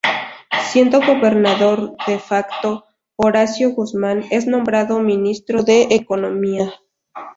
Siendo gobernador "de facto" Horacio Guzmán, es nombrado Ministro de Economía.